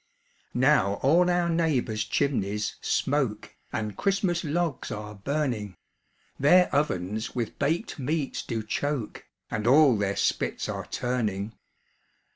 Now all our neighbours' chimneys smoke, And Christmas logs are burning; Their ovens with baked meats do choke, And all their spits are turning.